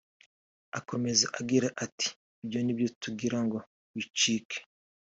Akomeza agira ati “Ibyo nibyo tugira ngo bicike